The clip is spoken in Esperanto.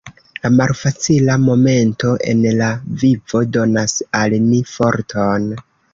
La malfacila momento en la vivo donas al ni forton.